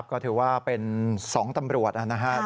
ก็ถือว่าเป็น๒ตำรวจนะครับ